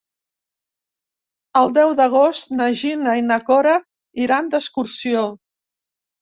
El deu d'agost na Gina i na Cora iran d'excursió.